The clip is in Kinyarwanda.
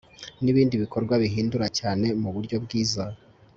n'ibindi bikorwa bihindura cyane mu buryo bwiza